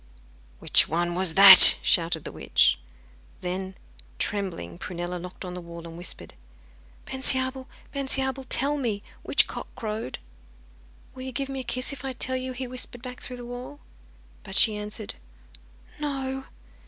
'Which one was that?' shouted the witch. Then, trembling, Prunella knocked on the wall and whispered: 'Bensiabel, Bensiabel, tell me, which cock crowed?' 'Will you give me a kiss if I tell you?' he whispered back through the wall. But she answered 'No.